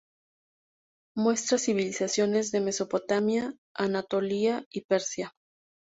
Muestra civilizaciones de Mesopotamia, Anatolia y Persia.